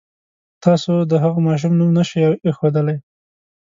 تاسو د هغه ماشوم نوم نه شئ اېښودلی.